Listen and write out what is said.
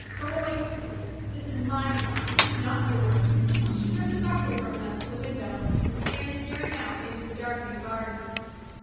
Go away quickly. This is my job, not yours. IShe turns abruptly from them to the ivindow, and stands staring out into the darkening garden,] MARGARET IDased.